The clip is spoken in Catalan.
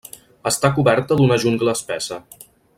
Està coberta d'una jungla espessa.